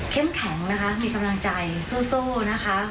แข็งนะคะมีกำลังใจสู้นะคะ